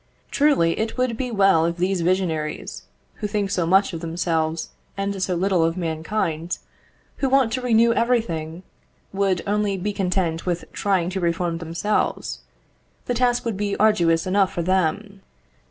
Truly, it would be well if these visionaries, who think so much of themselves and so little of mankind, who want to renew everything, would only be content with trying to reform themselves, the task would be arduous enough for them.